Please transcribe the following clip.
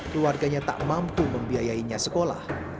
keluarganya tak mampu membiayainya sekolah